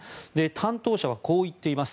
担当者はこう言っています。